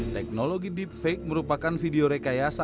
teknologi deepfake merupakan video rekayasa